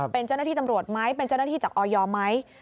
เป็นเจ้าหน้าที่ตำรวจไหมเป็นเจ้าหน้าที่จากออยไหม